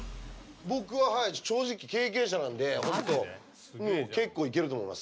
僕は正直、経験者なんで結構いけると思います。